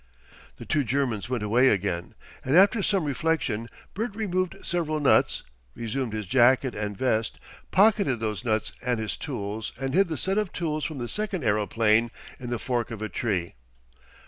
The two Germans went away again, and after some reflection Bert removed several nuts, resumed his jacket and vest, pocketed those nuts and his tools and hid the set of tools from the second aeroplane in the fork of a tree.